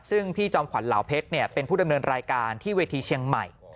ซึ่งพี่จอมขวัญเหล่าเพชรเป็นผู้ดำเนินรายการที่เวทีเชียงใหม่